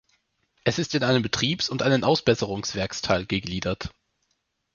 Es ist in einen Betriebs- und in einen Ausbesserungswerks-Teil gegliedert.